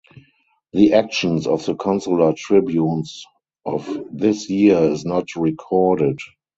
The actions of the consular tribunes of this year is not recorded.